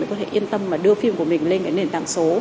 có thể yên tâm đưa phim của mình lên nền tảng số